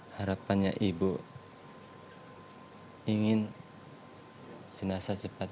harapannya ibu ingin jenazah cepat